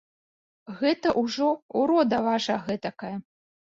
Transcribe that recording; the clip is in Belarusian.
Гэта ўжо ўрода ваша гэтакая.